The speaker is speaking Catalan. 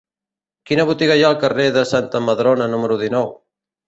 Quina botiga hi ha al carrer de Santa Madrona número dinou?